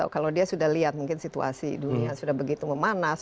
kalau dia sudah lihat mungkin situasi dunia sudah begitu memanas